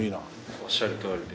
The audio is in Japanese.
おっしゃるとおりで。